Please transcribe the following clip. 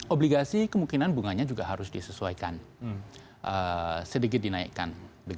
obligasi kemungkinan bunganya juga harus disesuaikan sedikit dinaikkan